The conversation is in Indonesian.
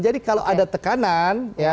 jadi kalau ada tekanan